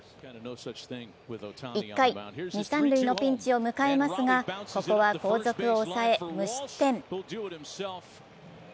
１回、二・三塁のピンチを迎えますがここは後続を抑え無失点。